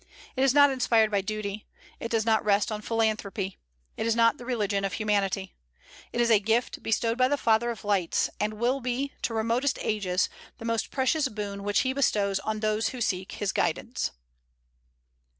It is not inspired by duty; it does not rest on philanthropy; it is not the religion of humanity. It is a gift bestowed by the Father of Lights, and will be, to remotest ages, the most precious boon which He bestows on those who seek His guidance.